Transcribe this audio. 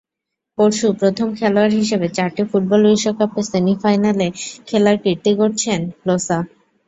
পরশু প্রথম খেলোয়াড় হিসেবে চারটি ফুটবল বিশ্বকাপের সেমিফাইনালে খেলার কীর্তি গড়েছেন ক্লোসা।